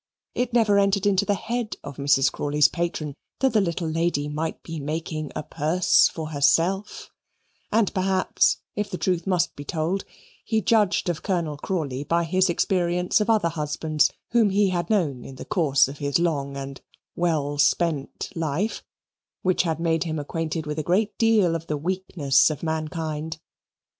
It never entered into the head of Mrs. Crawley's patron that the little lady might be making a purse for herself; and, perhaps, if the truth must be told, he judged of Colonel Crawley by his experience of other husbands, whom he had known in the course of the long and well spent life which had made him acquainted with a great deal of the weakness of mankind.